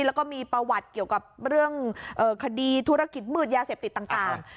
แล้วก็มีประวัติเกี่ยวกับเรื่องคดีธุรกิจมืดยาเสพติดต่าง